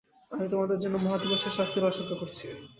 আমি তোমাদের জন্য মহাদিবসের শাস্তির আশংকা করছি।